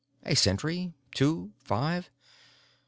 A century? Two? Five?